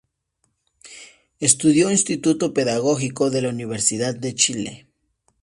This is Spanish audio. Estudió Instituto Pedagógico de la Universidad de Chile.